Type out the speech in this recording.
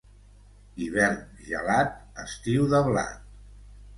Hivern gelat, estiu de blat.